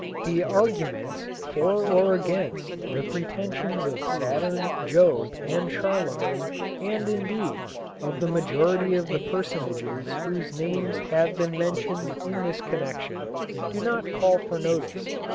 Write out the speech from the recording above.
The arguments for or against the pretensions of Saturn, Job, and Charlemagne, and, indeed, of the majority of the personages whose names have been mentioned in this connection, do not call for notice.